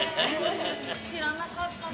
知らなかったな。